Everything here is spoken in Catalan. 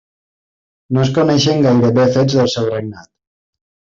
No es coneixen gairebé fets del seu regnat.